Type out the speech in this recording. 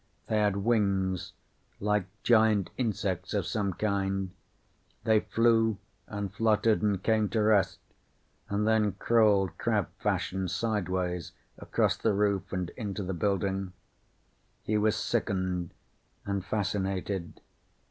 They had wings. Like giant insects of some kind. They flew and fluttered and came to rest and then crawled crab fashion, sideways, across the roof and into the building. He was sickened. And fascinated.